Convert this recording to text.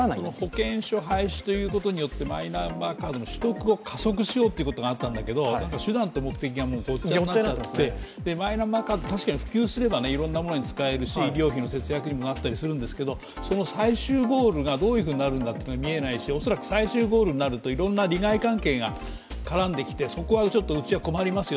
保険証廃止ということによってマイナンバーカードの取得を加速しようということがあったんだけど手段と目的がごっちゃになっちゃってマイナンバーカード確かに普及すればいろんなものに使えるし、医療費の節約にもなったりするんですけど、その最終ゴールが見えないし恐らく最終ゴールになるといろんな利害関係が絡んできてそこがちょっとうちは困りますよ